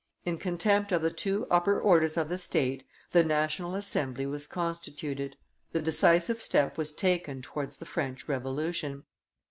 In contempt of the two upper orders of the state, the national assembly was constituted. The decisive step was taken towards the French Revolution.